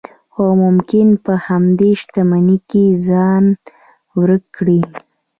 خو ممکن په همدې شتمنۍ کې ځان ورک کړئ.